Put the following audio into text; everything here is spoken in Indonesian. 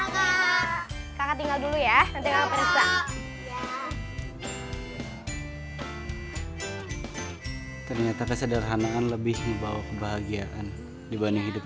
boy sepanjang hari ini